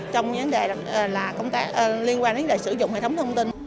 trong vấn đề liên quan đến sử dụng hệ thống thông tin